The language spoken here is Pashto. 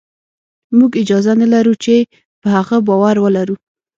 موږ اجازه نه لرو چې په هغه باور ولرو